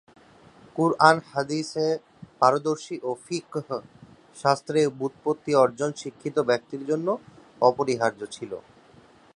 কুরআন-হাদীসে পারদর্শিতা ও ফিক্হশাস্ত্রে বুৎপত্তি অর্জন শিক্ষিত ব্যক্তির জন্য অপরিহার্য ছিল।